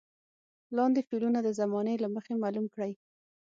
لاندې فعلونه د زمانې له مخې معلوم کړئ.